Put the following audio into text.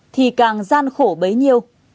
thì càng gian khổ bấy nhiêu